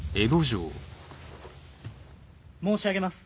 申し上げます。